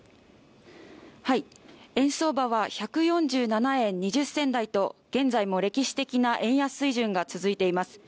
円相場は１４７円２０銭台と現在も歴史的な円安水準が続いています